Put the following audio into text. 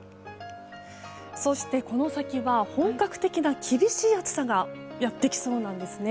そして、この先は本格的な厳しい暑さがやってきそうなんです。